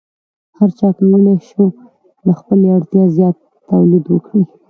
هر چا کولی شو له خپلې اړتیا زیات تولید وکړي.